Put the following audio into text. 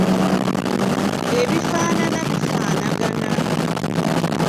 Ebifaanana bifaanagana.